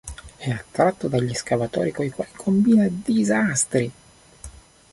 È attratto dagli escavatori con i quali combina disastri.